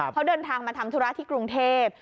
เขาเดินทางมาทำธุระที่กรุงเทพ